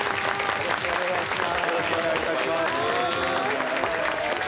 よろしくお願いします。